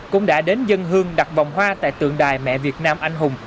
cũng đã đến dân hương đặt vòng hoa tại tượng đài mẹ việt nam anh hùng